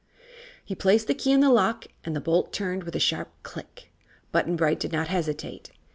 He placed the key in the lock and the bolt turned with a sharp click. Button Bright did not hesitate.